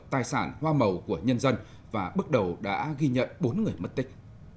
tài sản hoa màu của nhân dân và bước đầu đã ghi nhận bốn người mất tích